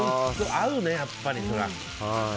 合うね、やっぱり。